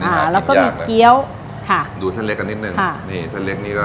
อ่าแล้วก็มีเกี้ยวค่ะดูเส้นเล็กกันนิดนึงค่ะนี่เส้นเล็กนี่ก็